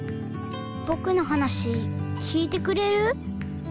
ぼくのはなしきいてくれる？